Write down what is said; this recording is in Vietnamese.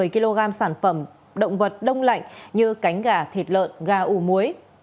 ba trăm một mươi kg sản phẩm động vật đông lạnh như cánh gà thịt lợn gà ủ muối